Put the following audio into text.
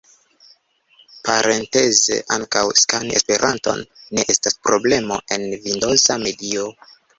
Parenteze, ankaŭ skani Esperanton ne estas problemo en vindoza medio.